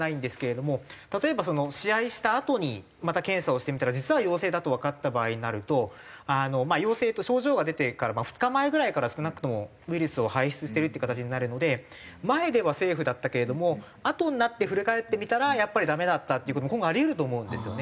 例えば試合したあとにまた検査をしてみたら実は陽性だとわかった場合になると陽性と症状が出てから２日前ぐらいから少なくともウイルスを排出しているっていう形になるので前ではセーフだったけれどもあとになって振り返ってみたらやっぱりダメだったっていう事も今後あり得ると思うんですよね。